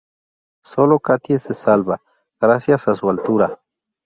Sólo Katie se salva, gracias a su altura.